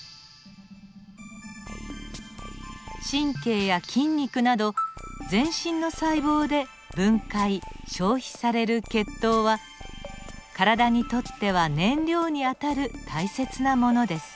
神経や筋肉など全身の細胞で分解・消費される血糖は体にとっては燃料にあたる大切なものです。